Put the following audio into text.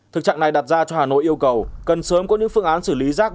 thực trạng này đặt ra cho hà nội yêu cầu cần sớm có những phương án xử lý rác